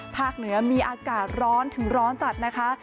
เหนือมีอากาศร้อนถึงร้อนจัดนะคะ